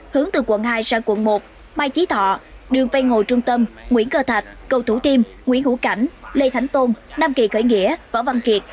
hướng từ quận hai sang quận một mai chí thọ đường vây hồ trung tâm nguyễn cơ thạch cầu thủ tiêm nguyễn hữu cảnh lê thánh tôn nam kỳ khởi nghĩa võ văn kiệt